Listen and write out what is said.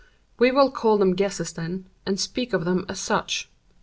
We will call them guesses then, and speak of them as such.